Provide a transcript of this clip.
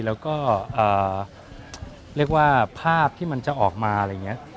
แล้วก็เรียกว่าภาพที่มันจะออกมาอะไรอย่างนี้